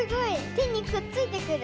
てにくっついてくる。